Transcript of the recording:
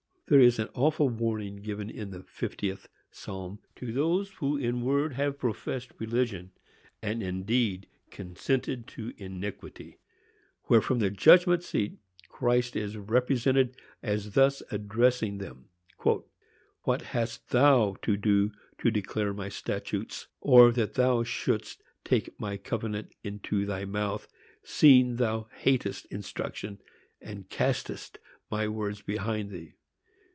There is an awful warning given in the fiftieth Psalm to those who in word have professed religion and in deed consented to iniquity, where from the judgment seat Christ is represented as thus addressing them: "What hast thou to do to declare my statutes, or that thou shouldst take my covenant into thy mouth, seeing thou hatest instruction, and castest my words behind thee?